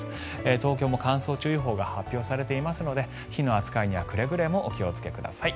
東京も乾燥注意報が発表されていますので火の扱いにはくれぐれもお気をつけください。